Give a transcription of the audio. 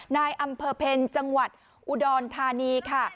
นายอำเภอเพ็ญจังหวัดอุดรธานีค่ะ